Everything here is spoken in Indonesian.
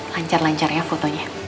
lanjar lancar ya fotonya